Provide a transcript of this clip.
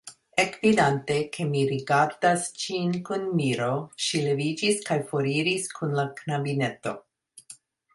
Ekvidante, ke mi rigardas ŝin kun miro, ŝi leviĝis kaj foriris kun la knabineto.